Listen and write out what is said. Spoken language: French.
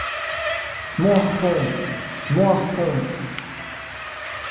Mon harpon ! mon harpon !